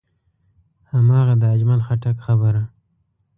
هماغه د اجمل خټک خبره.